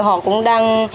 họ cũng đang